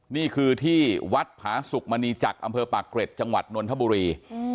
นี่คือที่วัดผาสุกมณีจักรอำเภอปากเกร็ดจังหวัดนนทบุรี